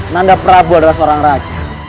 nanda prabu adalah seorang raja